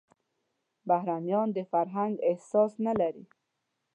بهرنيان د فرهنګ احساس نه لري.